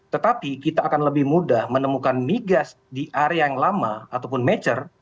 tetapi kita akan lebih mudah menemukan migas di area yang lama ataupun mature